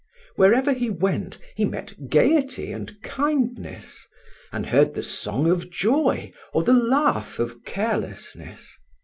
Wherever he went he met gaiety and kindness, and heard the song of joy or the laugh of carelessness.